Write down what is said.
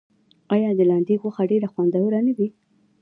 آیا د لاندي غوښه ډیره خوندوره نه وي؟